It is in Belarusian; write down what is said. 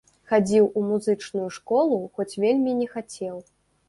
Хадзіў у музычную школу, хоць вельмі не хацеў.